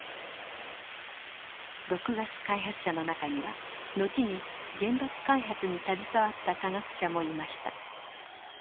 毒ガス開発者の中には後に原爆開発に携わった化学者もいました。